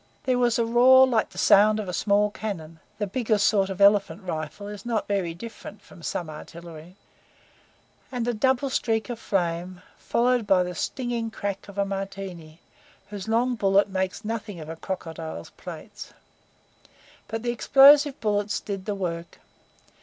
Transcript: There was a roar like the sound of a small cannon (the biggest sort of elephant rifle is not very different from some artillery), and a double streak of flame, followed by the stinging crack of a Martini, whose long bullet makes nothing of a crocodile's plates. But the explosive bullets did the work.